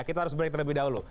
kita harus break terlebih dahulu